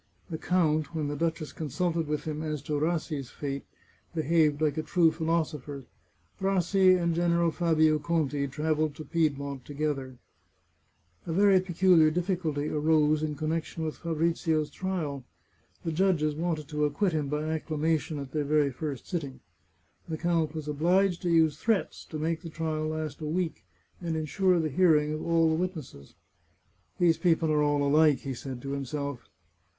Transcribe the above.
The count, when the duchess consulted with him as to Rassi's fate, behaved like a true philosopher. Rassi and General Fabio Conti travelled to Piedmont together. A very peculiar difficulty arose in connection with Fa brizio's trial. The judges wanted to acquit him by acclama tion at their very first sitting. The count was obliged to use threats to make the trial last a week, and insure the hearing of all the witnesses. " These people are all alike," said he to himself.